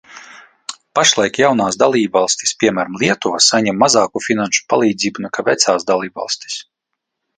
Pašlaik jaunās dalībvalstis, piemēram, Lietuva, saņem mazāku finanšu palīdzību nekā vecās dalībvalstis.